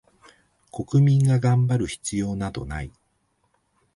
国民が頑張る必要などない